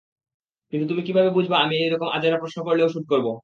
কিন্তু তুমি কিভাবে বুঝবা আমি এইরকম আজাইরা প্রশ্ন করলেও শ্যুট করবো।